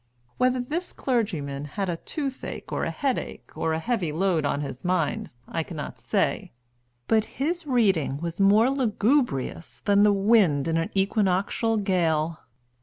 Whether this clergyman had a toothache, or a headache, or a heavy load on his mind, I cannot say, but his reading was more lugubrious than the wind in an equinoctial gale.